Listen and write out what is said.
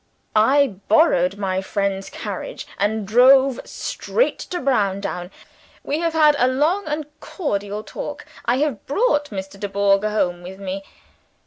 I borrowed my friend's carriage, and drove straight to Browndown. We have had a long and cordial talk. I have brought Mr. Dubourg home with me.